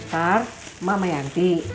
ntar emak sama yanti